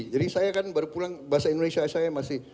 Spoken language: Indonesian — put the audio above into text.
jadi saya kan baru pulang bahasa indonesia saya masih